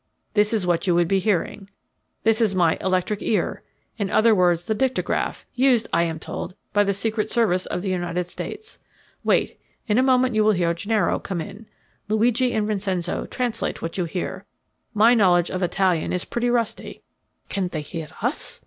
"This is what you would be hearing. This is my 'electric ear' in other words the dictagraph, used, I am told, by the Secret Service of the United States. Wait, in a moment you will hear Gennaro come in. Luigi and Vincenzo, translate what you hear. My knowledge of Italian is pretty rusty." "Can they hear us?"